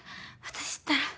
私ったら。